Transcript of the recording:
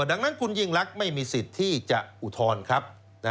ดังนั้นคุณยิ่งรักไม่มีสิทธิ์ที่จะอุทธรณ์ครับ